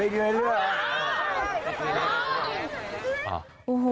เหลือล้านเหลือ